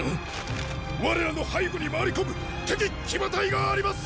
我らの背後に回り込む敵騎馬隊があります！